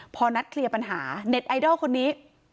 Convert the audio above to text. พอนัดเคลียร์ปัญหาเน็ตไอดอลคนนี้